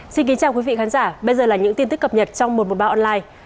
xin kính chào quý vị khán giả bây giờ là những tin tức cập nhật trong một trăm một mươi ba online